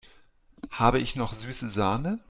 Habe ich noch süße Sahne?